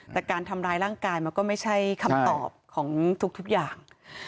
แต่การทำร้ายร่างกายมันก็ไม่ใช่คำตอบของทุกอย่าง